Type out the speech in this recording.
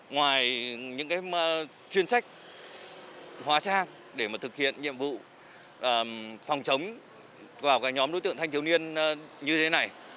ngoài những chuyên trách hóa sang để thực hiện nhiệm vụ phòng chống vào nhóm đối tượng thanh thiếu niên như thế này